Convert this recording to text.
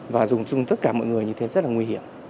và dùng chung tất cả mọi người như thế rất là nguy hiểm